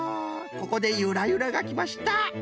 ここでゆらゆらがきました。